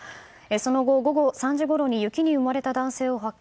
その後、午後３時ごろに雪に埋もれた男性を発見。